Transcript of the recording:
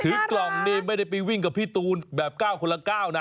ถึงสี่กล่องนี้ไม่ได้ไปวิ่งกับพี่ตูนแบบเก้าคนละเก้านะ